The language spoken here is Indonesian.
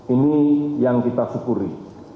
ini yang kita syukuri